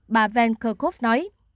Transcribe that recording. bà van kerkhove nói